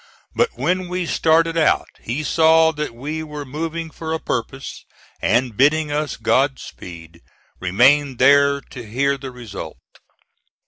But when we started out he saw that we were moving for a purpose, and bidding us Godspeed, remained there to hear the result.